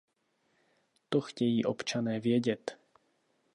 To chtějí občané vědět.